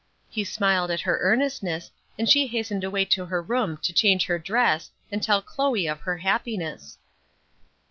He smiled at her earnestness, and she hastened away to her room to change her dress and tell Chloe of her happiness.